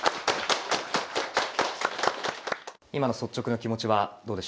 今の率直な気持ちはどうでしょう？